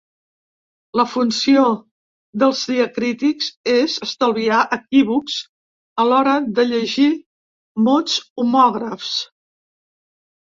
La funció dels diacrítics és estalviar equívocs a l’hora de llegir mots homògrafs.